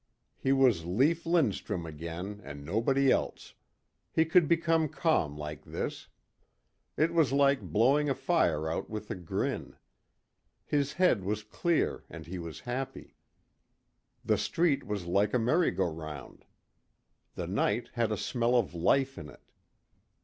He was Lief Lindstrum again and nobody else. He could become calm like this. It was like blowing a fire out with a grin. His head was clear and he was happy. The street was like a merry go round. The night had a smell of life in it.